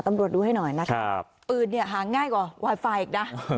ตำรวจดูให้หน่อยนะครับ